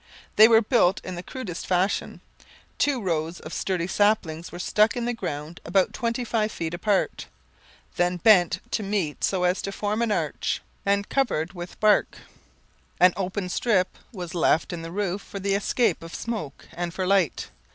They were built in the crudest fashion. Two rows of sturdy saplings were stuck in the ground about twenty five feet apart, then bent to meet so as to form an arch, and covered with bark. An open strip was left in the roof for the escape of smoke and for light.